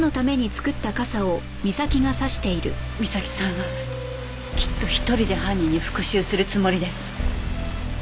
みさきさんはきっと１人で犯人に復讐するつもりです。